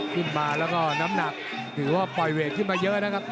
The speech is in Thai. ขึ้นมาแล้วก็น้ำหนักถือว่าปล่อยเวทขึ้นมาเยอะนะครับ